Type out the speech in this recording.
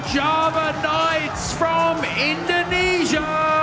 java knight dari indonesia